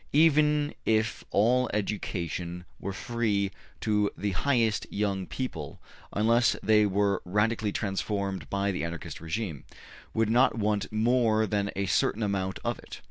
Even if all education were free up to the highest, young people, unless they were radically transformed by the Anarchist regime, would not want more than a certain amount of it.